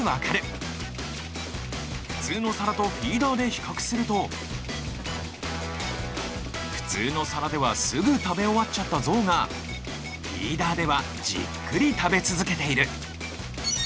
普通の皿とフィーダーで比較すると普通の皿ではすぐ食べ終わっちゃったゾウがフィーダーではじっくり食べ続けている！